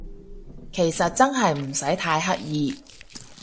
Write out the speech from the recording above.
其實真係唔使太刻意